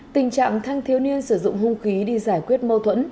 tình trạng thanh thiếu niên sử dụng hung khí đi giải quyết mâu thuẫn